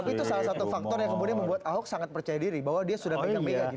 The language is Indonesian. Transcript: tapi itu salah satu faktor yang membuat ahok sangat percaya diri bahwa dia sudah memiliki